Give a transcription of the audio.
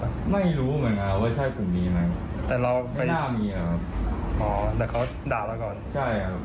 ผมไม่รู้ผมคิดว่ามาด้วยกันครับ